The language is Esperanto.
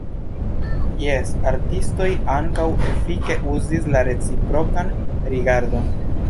Jes, artistoj ankaŭ efike uzis la reciprokan rigardon.